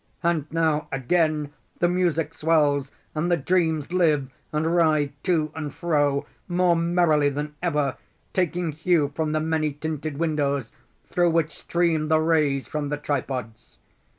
And now again the music swells, and the dreams live, and writhe to and fro more merrily than ever, taking hue from the many tinted windows through which stream the rays from the tripods.